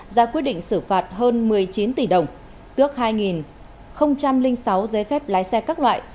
ra quyết định xử phạt hơn một mươi chín tỷ đồng tước hai sáu giấy phép lái xe các loại